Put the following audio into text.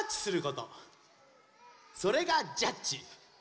それがジャッチ。